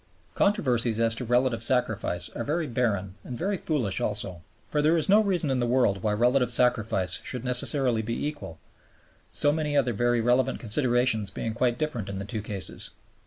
Controversies as to relative sacrifice are very barren and very foolish also; for there is no reason in the world why relative sacrifice should necessarily be equal, so many other very relevant considerations being quite different in the two cases.